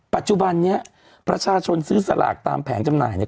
ปัจจุบันนี้ประชาชนซื้อสลากตามแผงจำหน่ายเนี่ย